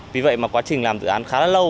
vì vậy mà quá trình làm dự án khá là lâu